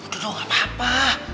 tuh tuh gak apa apa